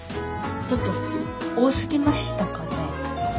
ちょっと多すぎましたかね。